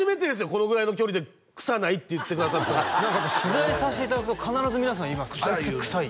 このぐらいの距離で「臭ない」って言ってくださったの取材させていただくと必ず皆さん言います「あいつ臭い」